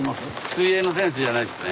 水泳の選手じゃないですね。